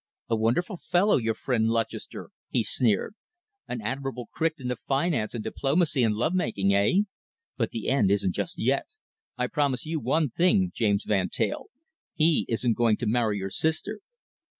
"A wonderful fellow, your friend Lutchester," he sneered. "An Admirable Crichton of finance and diplomacy and love making, eh? But the end isn't just yet. I promise you one thing, James Van Teyl. He isn't going to marry your sister."